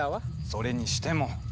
それにしても。